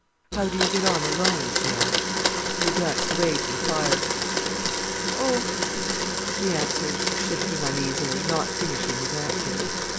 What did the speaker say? "How do you get on alone?" she asked. He glanced away to the fire. "Oh——" he answered, shifting uneasily, not finishing his answer.